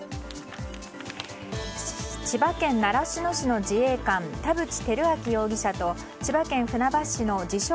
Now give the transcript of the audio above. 千葉県習志野市の自衛官田渕照明容疑者と千葉県船橋市の自称